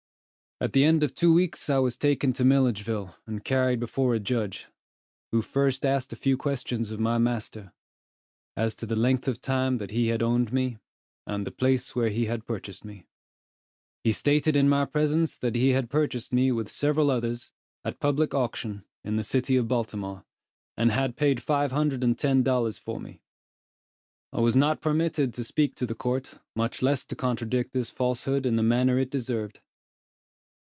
At the end of two weeks I was taken to Milledgeville, and carried before a judge, who first asked a few questions of my master, as to the length of time that he had owned me, and the place where he had purchased me. He stated in my presence that he had purchased me, with several others, at public auction, in the city of Baltimore, and had paid five hundred and ten dollars for me. I was not permitted to speak to the court, much less to contradict this falsehood in the manner it deserved.